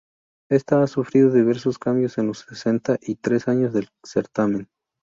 Ésta ha sufrido diversos cambios en los sesenta y tres años del certamen.